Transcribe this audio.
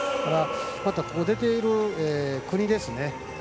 また、ここに出ている国ですね。